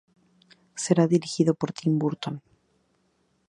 Será dirigido por Tim Burton.